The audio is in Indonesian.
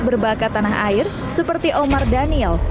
berbakat tanah air seperti omar daniel